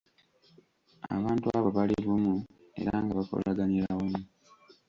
Abantu abo bali bumu era nga bakolaganira wamu.